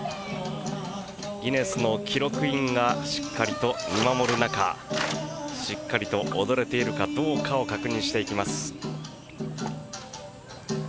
ギネスの記録員がしっかりと見守る中しっかりと踊れているかどうかを確認していきます。